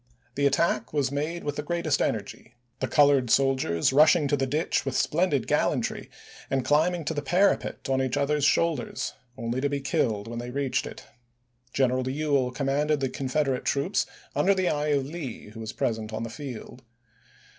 The attack was made with the greatest energy; the colored soldiers rushing to the ditch with splendid gallantry and climbing to the parapet on each other's shoulders, only to be killed when they reached it. General Ewell commanded the Confederate troops, under the eye of Lee, who was present on the field.